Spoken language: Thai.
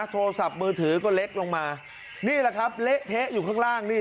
โทรศัพท์มือถือก็เล็กลงมานี่แหละครับเละเทะอยู่ข้างล่างนี่